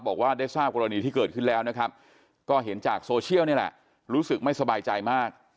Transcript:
บอกว่าได้ทราบกรณีที่เกิดขึ้นแล้วนะครับก็เห็นจากโซเชียลนี่แหละรู้สึกไม่สบายใจมาก